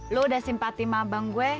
lu udah simpati sama abang gue